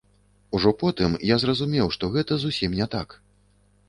Ужо потым я зразумеў, што гэта зусім не так.